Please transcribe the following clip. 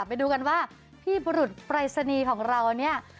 ไปดูกันว่าพี่บุรุษปรายศนีย์ของเราเนี่ย